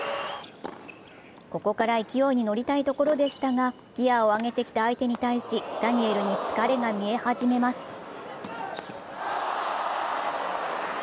ここから勢いに乗りたいところでしたが、ギヤを上げてきた相手に対し、ダニエルに疲れが見え始めます。